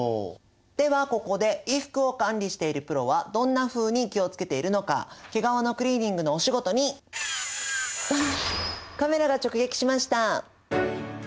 ではここで衣服を管理しているプロはどんなふうに気を付けているのか毛皮のクリーニングのお仕事にカメラが直撃しました！